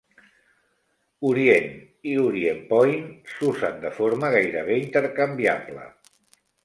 "Orient" i "Orient Point" s'usen de forma gairebé intercanviable.